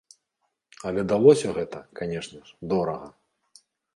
Але далося гэта, канешне ж, дорага.